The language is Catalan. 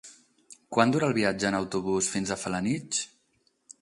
Quant dura el viatge en autobús fins a Felanitx?